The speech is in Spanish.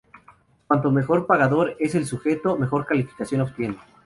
Cuanto mejor pagador es el sujeto, mejor calificación obtiene.